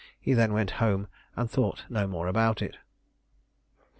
He then went home, and thought no more about it.